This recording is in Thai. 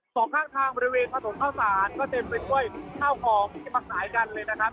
สองข้างทางบริเวณถนนเข้าสารก็เต็มไปด้วยข้าวของที่จะมาขายกันเลยนะครับ